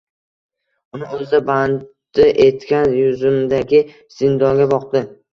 Uni o’zida bandi etgan yuzimdagi zindonga boqdi